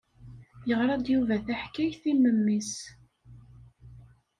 Yeɣra-d Yuba taḥkayt i memmi-s.